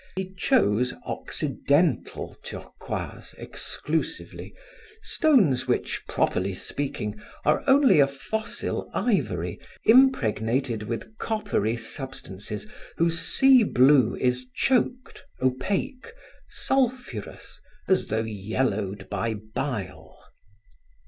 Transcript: He chose occidental turquoises exclusively, stones which, properly speaking, are only a fossil ivory impregnated with coppery substances whose sea blue is choked, opaque, sulphurous, as though yellowed by bile.